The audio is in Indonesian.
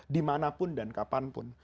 dimanapun dan kapanpun